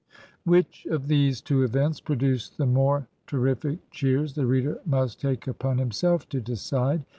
Which of these two events produced the more terrific cheers the reader must take upon himself to decide.